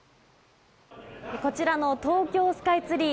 こちらの東京スカイツリー